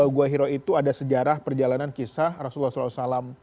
gua hiro itu ada sejarah perjalanan kisah rasulullah saw